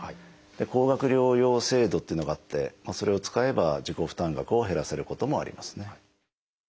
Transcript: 高額療養費制度っていうのがあってそれを使えば自己負担額を減らせることもありますね。